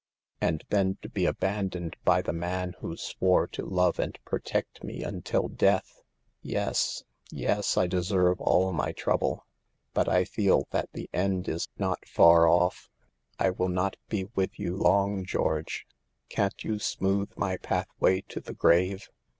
And then to be abandoned by the man who swore to love and protect me until death ! Yes, yes ; I deserve all my trouble But I feel that the end is not far off. I will not be with you long, George ; can't you smooth my pathway to the grave